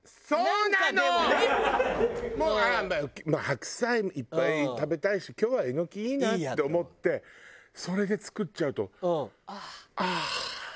白菜いっぱい食べたいし今日はエノキいいなって思ってそれで作っちゃうと。